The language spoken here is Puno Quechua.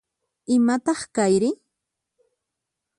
Imataq kayri?